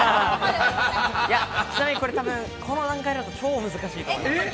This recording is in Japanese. ちなみに、これ多分、この段階だと超難しいと思います。